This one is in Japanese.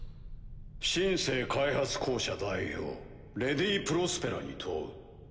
「シン・セー開発公社」代表レディ・プロスペラに問う。